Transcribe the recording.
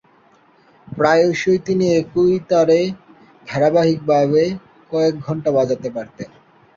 প্রায়শঃই তিনি একই তারে ধারাবাহিকভাবে কয়েক ঘণ্টা বাজাতে পারতেন।